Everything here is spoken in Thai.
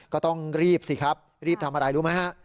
ก็ต้องรีบสิครับรีบทำอะไรรู้ไหมฮะ